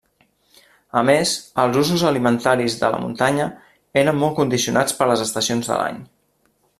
A més els usos alimentaris de muntanya eren molt condicionats per les estacions de l'any.